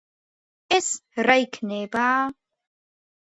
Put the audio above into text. ეს რა იქნება?